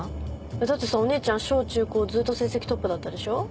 だってさお姉ちゃん小中高ずっと成績トップだったでしょ。